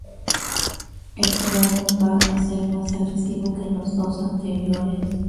Este álbum va a ser más agresivo que los dos anteriores.